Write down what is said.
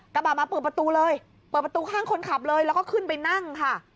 กระบะมาเปิดประตูเลยเปิดประตูข้างคนขับเลยแล้วก็ขึ้นไปนั่งค่ะ